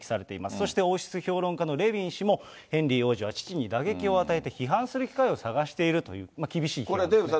そして王室評論家のレビン氏も、ヘンリー王子は父に打撃を与えて、批判する機会を探しているという、厳しい意見ですね。